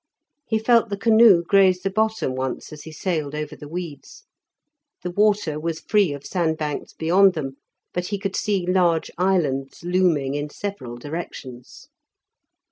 He felt the canoe graze the bottom once as he sailed over the weeds. The water was free of sandbanks beyond them, but he could see large islands looming in several directions.